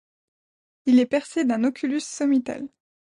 Il est percé d'un oculus sommital.